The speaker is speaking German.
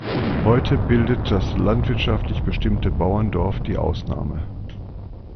Heute bildet das landwirtschaftlich bestimmte Bauerndorf die Ausnahme.